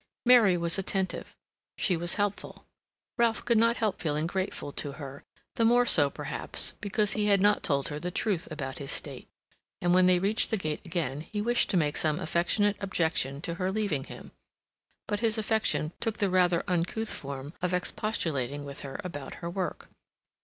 Mary was attentive; she was helpful. Ralph could not help feeling grateful to her, the more so, perhaps, because he had not told her the truth about his state; and when they reached the gate again he wished to make some affectionate objection to her leaving him. But his affection took the rather uncouth form of expostulating with her about her work.